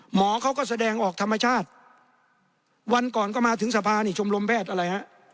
หมอเขาก็แสดงออกธรรมชาติวันก่อนก็มาถึงสภานี่ชมรมแพทย์อะไรฮะ